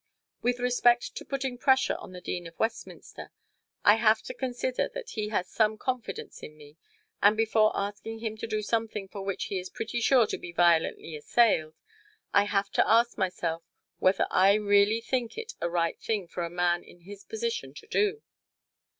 With respect to putting pressure on the Dean of Westminster, I have to consider that he has some confidence in me, and before asking him to do something for which he is pretty sure to be violently assailed, I have to ask myself whether I really think it a right thing for a man in his position to do.